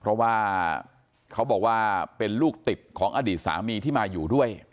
เพราะว่าเขาบอกว่าเป็นลูกติดของอดีตสามีที่มาอยู่ด้วย